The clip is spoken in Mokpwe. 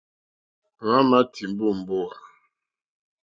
Hwámà tìmbá ó mbówà.